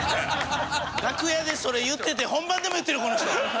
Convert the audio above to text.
楽屋でそれ言ってて本番でも言ってるこの人。